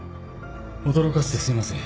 驚かせてすみません。